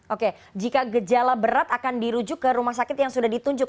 oke jika gejala berat akan dirujuk ke rumah sakit yang sudah ditunjuk